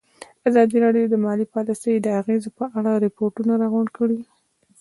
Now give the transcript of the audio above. ازادي راډیو د مالي پالیسي د اغېزو په اړه ریپوټونه راغونډ کړي.